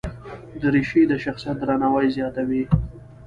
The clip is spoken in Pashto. دریشي د شخصیت درناوی زیاتوي.